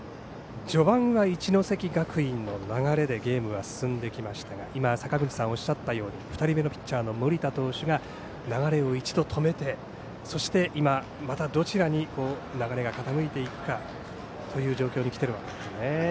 序盤は一関学院の流れでゲームが進んできましたが坂口さんがおっしゃったように２人目のピッチャーの森田投手が流れを一度止めてそして今、またどちらに流れが傾いていくかという状況にきているわけですね。